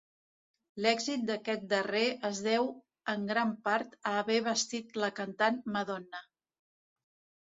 L'èxit d'aquest darrer es deu en gran part a haver vestit la cantant Madonna.